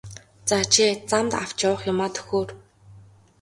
За чи замд авч явах юмаа төхөөр!